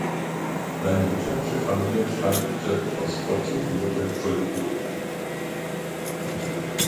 Seine mütterliche Familie stammte aus Portillo de Toledo.